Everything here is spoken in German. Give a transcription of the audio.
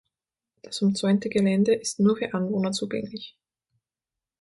Das umzäunte Gelände ist nur für Anwohner zugänglich.